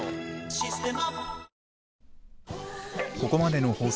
「システマ」